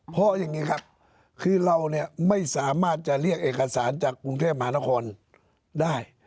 เพราะอย่างนี้ครับคือเราเนี่ยไม่สามารถจะเรียกเอกสารจากกรุงเทพมหานครได้